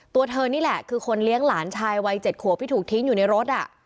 ตัวเธอนี่แหละคือคนเลี้ยงหลานชายวัย๗ขวบที่ถูกทิ้งอยู่ในรถ